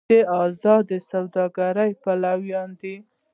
دوی د ازادې سوداګرۍ پلویان دي.